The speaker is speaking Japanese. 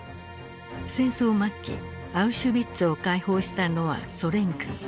戦争末期アウシュビッツを解放したのはソ連軍。